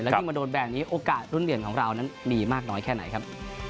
ยิ่งมาโดนแบบนี้โอกาสรุ่นเหรียญของเรานั้นดีมากน้อยแค่ไหนครับ